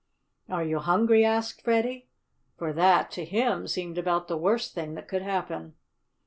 "Are you hungry?" asked Freddie; for that, to him, seemed about the worst thing that could happen.